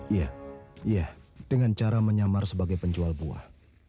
iya iya dengan cara menyamar sebagai penjual buah